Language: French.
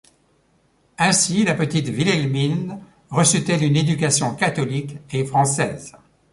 Ainsi la petite Wilhelmine reçut-elle une éducation catholique et Française.